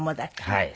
はい。